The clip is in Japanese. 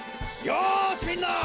よしみんな！